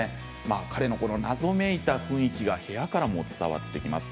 彼の謎めいた雰囲気が部屋からも伝わってきます。